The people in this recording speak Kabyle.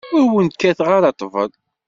Ur wen-kkateɣ ara ṭṭbel.